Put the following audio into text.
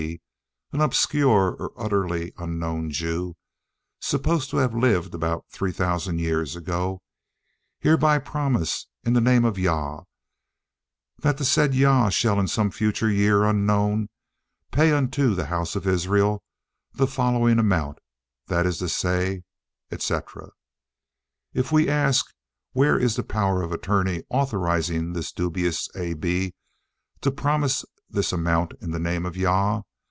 B." (an obscure or utterly unknown Jew, supposed to have lived about three thousand years ago), "hereby promise in the name of Jah, that the said Jah shall in some future year unknown, pay unto the house of Israel the following amount, that is to say, etc." If we ask, Where is the power of attorney authorising this dubious A. B. to promise this amount in the name of Jah?